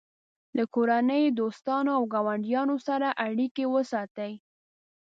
له کورنۍ، دوستانو او ګاونډیانو سره اړیکې وساتئ.